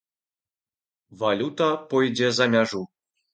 Валюта пойдзе за мяжу.